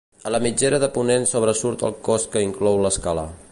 A la mitgera de ponent sobresurt el cos que inclou l'escala.